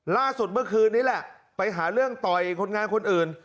ล่าสุดเมื่อคืนนี้แหละไปหาเรื่องต่อยคนงานคนอื่น